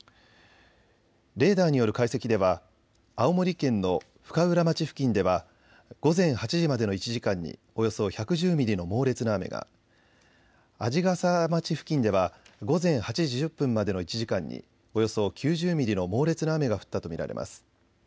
レーダーによる解析では青森県の深浦町付近では午前８時までの１時間におよそ１１０ミリの猛烈な雨が、鰺ヶ沢町付近では午前８時１０分までの１時間におよそ９０ミリの猛烈な雨が降ったと見られます。